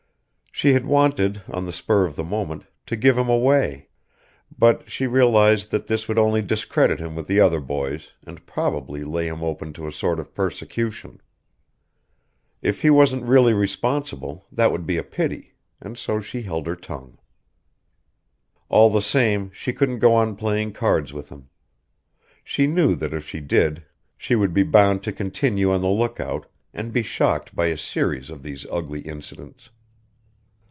She had wanted, on the spur of the moment, to give him away; but she realised that this would only discredit him with the other boys and probably lay him open to a sort of persecution. If he wasn't really responsible, that would be a pity; and so she held her tongue. All the same she couldn't go on playing cards with him. She knew that if she did she would be bound to continue on the look out, and be shocked by a series of these ugly incidents.